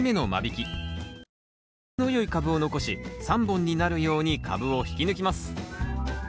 生育の良い株を残し３本になるように株を引き抜きます